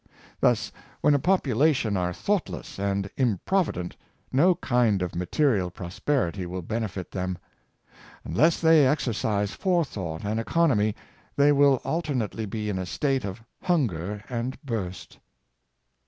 Thus, when a population are thoughtless and improvident, no kind of material pros perity will benefit them. Unless they exercise fore thought and economy they will alternately be in a state of " hunger and burst."